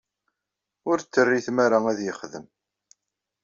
Ur t-terri tmara ad yexdem.